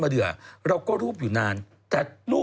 ปลาหมึกแท้เต่าทองอร่อยทั้งชนิดเส้นบดเต็มตัว